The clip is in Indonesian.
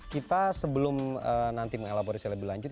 kita sebelum nanti mengelaborasi lebih lanjut